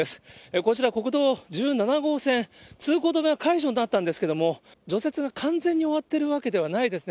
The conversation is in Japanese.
こちら国道１７号線、通行止めは解除になったんですけれども、除雪が完全に終わっているわけではないですね。